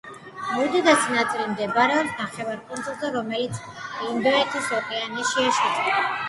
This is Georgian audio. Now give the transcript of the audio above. უდიდესი ნაწილი მდებარეობს ნახევარკუნძულზე, რომელიც ინდოეთის ოკეანეშია შეჭრილი.